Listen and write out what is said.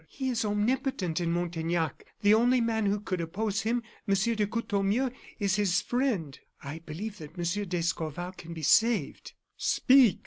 He is omnipotent in Montaignac; the only man who could oppose him, Monsieur de Courtornieu, is his friend. I believe that Monsieur d'Escorval can be saved." "Speak!"